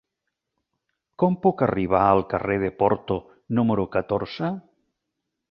Com puc arribar al carrer de Porto número catorze?